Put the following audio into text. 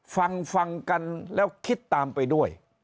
ฟังฟังกันแล้วคิดตามไปด้วย